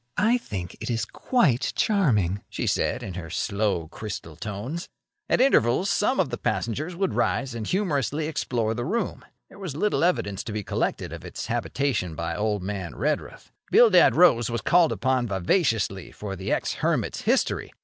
"I think it is quite charming," she said, in her slow, crystal tones. At intervals some one of the passengers would rise and humorously explore the room. There was little evidence to be collected of its habitation by old man Redruth. Bildad Rose was called upon vivaciously for the ex hermit's history.